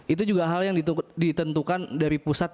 itu juga hal yang ditentukan dari pusat